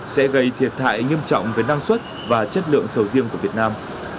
sẽ gây thiệt hại nghiêm trọng với năng suất và chất lượng sầu riêng của việt nam